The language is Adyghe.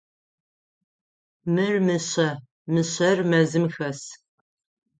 Мыр мышъэ, мышъэр мэзым хэс.